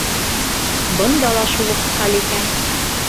Бында ла шул уҡ хәл икән.